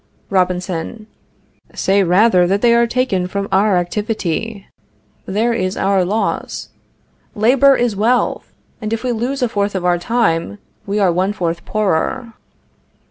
Robinson. Say rather that they are taken from our activity. There is our loss. Labor is wealth, and if we lose a fourth of our time we are one fourth poorer.